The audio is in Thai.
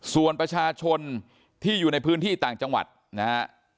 ส่วนประชาชนที่อยู่ในพื้นที่ต่างจังหวัดนะฮะ